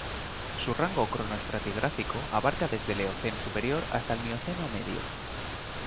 Su rango cronoestratigráfico abarca desde el Eoceno superior hasta el Mioceno medio.